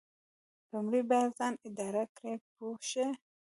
لومړی باید ځان اداره کړئ پوه شوې!.